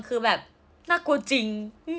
คือแบบน่ากลัวจริง